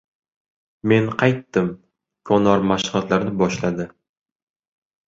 "Men qaytdim!" Konor mashg‘ulotlarni boshladi